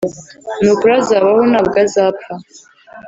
ni ukuri azabaho ntabwo azapfa